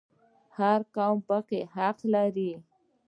هر قوم پکې حق لري